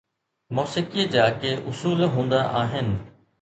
موسيقيءَ جا ڪي اصول هوندا آهن.